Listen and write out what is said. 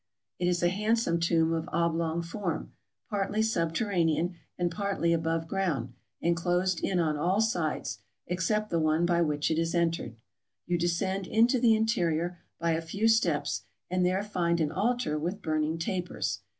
It is a handsome tomb of oblong form, partly subterranean, and partly above ground, and closed in on all sides, except the one by which it is entered. You descend into the interior by a few steps, and there find an altar with burning tapers.